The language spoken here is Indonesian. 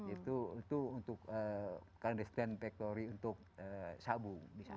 itu untuk clandestine factory untuk sabu